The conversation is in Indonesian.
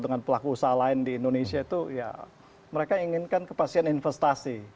dan pelaku usaha lain di indonesia itu mereka inginkan kepastian investasi